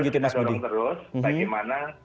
saya juga ingin mendorong terus bagaimana